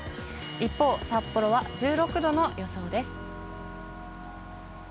一方、札幌は１６度の予想です。